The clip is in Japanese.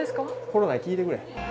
コロナに聞いてくれ。